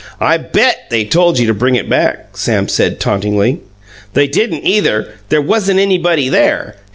"I BET they told you to bring it back," said Sam tauntingly. "They didn't, either! There wasn't anybody there."